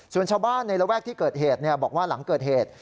ส่วนชาวบ้านในระแวกที่เกิดเหตุบอกว่าหลังเกิดเหตุ